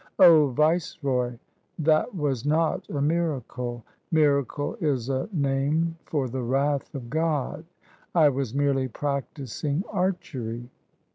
' O Viceroy, that was not a miracle. Miracle is a name for the wrath of God. I was merely practising archery.